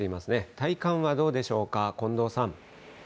体感はどうでしょうか、近藤さん。